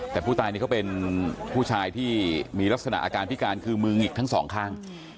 แต่ผู้ตายนี่เขาเป็นผู้ชายที่มีลักษณะอาการพิการคือมือหงิกทั้งสองข้าง